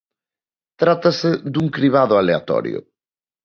Trátase dun cribado aleatorio.